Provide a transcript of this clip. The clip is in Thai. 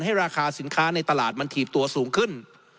ราคาสินค้าในตลาดมันถีบตัวสูงขึ้น